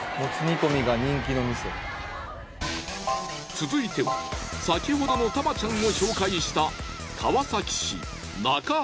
続いては先ほどのタマちゃんを紹介した。